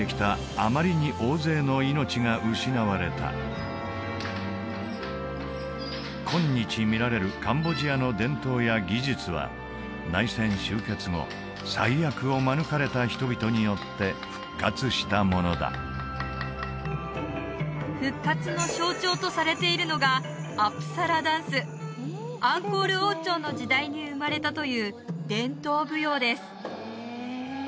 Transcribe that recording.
あまりに大勢の命が失われた今日見られるカンボジアの伝統や技術は内戦終結後最悪を免れた人々によって復活したものだ復活の象徴とされているのがアンコール王朝の時代に生まれたという伝統舞踊です